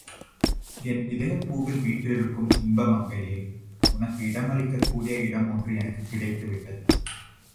என் இதயப் பூவில் வீற்றிருக்கும் இன்பமங்கையே, உனக்கு இடமளிக்கக் கூடிய இடம் ஒன்று எனக்குக் கிடைத்து விட்டது.